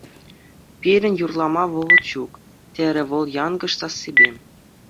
Пирӗн юрлама вӑхӑт ҫук, — терӗ вӑл янкӑш сассипе.